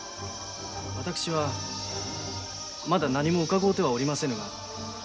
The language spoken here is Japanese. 私はまだ何も伺うてはおりませぬが。